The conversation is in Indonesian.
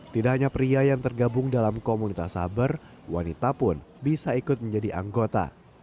tidak hanya pria yang tergabung dalam komunitas sabar wanita pun bisa ikut menjadi anggota